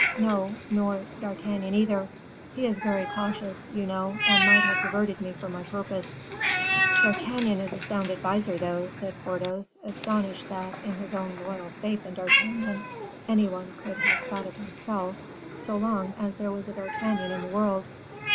"No, nor D'Artagnan either. He is very cautious, you know, and might have diverted me from my purpose." "D'Artagnan is a sound adviser, though," said Porthos, astonished that, in his own loyal faith in D'Artagnan, any one could have thought of himself, so long as there was a D'Artagnan in the world.